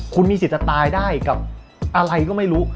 คุณมีสิทธิ์จะตายได้กับอะไรก็ไม่รู้